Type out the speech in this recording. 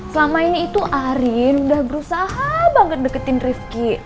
selama ini itu arin udah berusaha banget deketin rifki